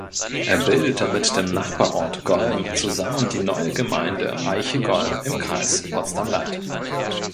Er bildete mit dem Nachbarort Golm zusammen die neue Gemeinde Eiche-Golm im Kreis Potsdam-Land.